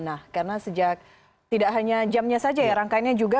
nah karena sejak tidak hanya jamnya saja ya rangkaiannya juga